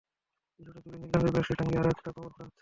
কিছুটা দূরে নীল রঙের প্লাস্টিক টাঙিয়ে আরও একটা কবর খোঁড়া হচ্ছে।